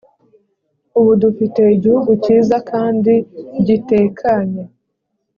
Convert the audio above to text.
ubu dufite igihugu kiza kandi gitekanye